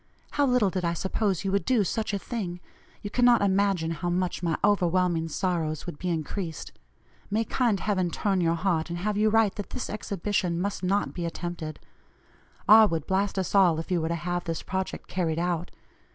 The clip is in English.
How little did I suppose you would do such a thing; you cannot imagine how much my overwhelming sorrows would be increased. May kind Heaven turn your heart, and have you write that this exhibition must not be attempted. R. would blast us all if you were to have this project carried out.